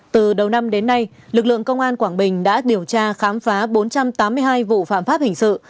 từ đầu năm đến nay lực lượng công an quảng bình đã điều tra khám phá bốn trăm tám mươi hai vụ phạm pháp hình sự